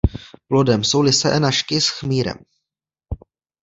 Plodem jsou lysé nažky s chmýrem.